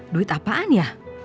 duit apaan ya